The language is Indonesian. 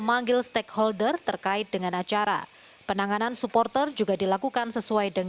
mudah tidak ada masalah yakin